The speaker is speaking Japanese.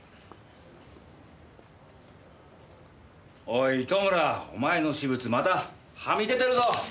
おい糸村お前の私物またはみ出てるぞ！